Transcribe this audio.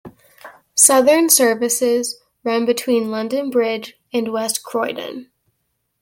Southern services run between London Bridge and West Croydon.